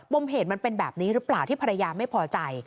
มเหตุมันเป็นแบบนี้หรือเปล่าที่ภรรยาไม่พอใจ